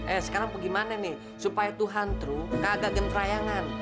eh sekarang gimana nih supaya tuhan tuh kagak gentayangan